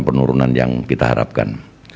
penurunan yang kita harapkan